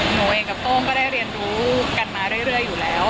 หนูเองกับโต้งก็ได้เรียนรู้กันมาเรื่อยอยู่แล้ว